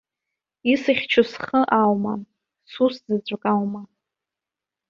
Исыхьчо схы аума, сус заҵәык аума!